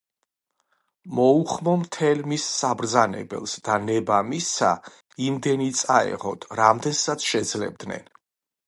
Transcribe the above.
მოუხმო მთელ მის საბრძანებელს და ნება მისცა იმდენი წაეღოთ, რამდენსაც შეძლებდნენ.